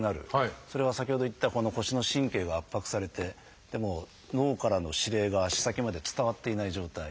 それは先ほど言った腰の神経が圧迫されて脳からの指令が足先まで伝わっていない状態。